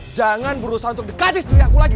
jangan berusaha untuk dekati suami aku lagi